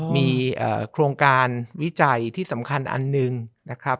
มีโครงการวิจัยที่สำคัญอันหนึ่งนะครับ